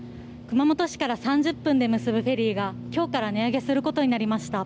熊本市から３０分で結ぶフェリーが、きょうから値上げすることになりました。